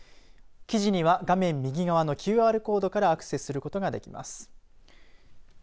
記事には画面右側のＱＲコードからアクセスすることができます。